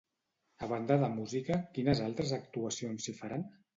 A banda de música, quines altres actuacions s'hi faran?